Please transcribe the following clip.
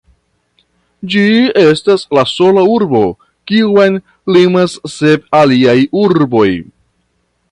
Ĝi estas la sola urbo, kiun limas sep aliaj urboj.